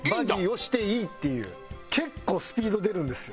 結構スピード出るんですよ。